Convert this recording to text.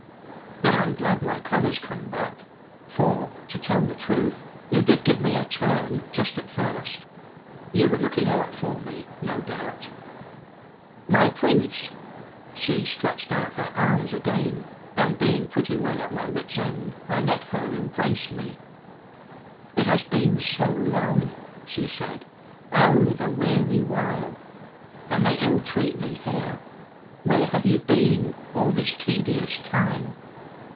"Then I'm glad my colour's come back; for, to tell the truth, you did give me a turn, just at first. You were looking out for me, no doubt " "My Prince!" She stretched out her arms again, and being pretty well at my wits' end I let her embrace me. "It has been so long," she said. "Oh, the weary while! And they ill treat me here. Where have you been, all this tedious time?"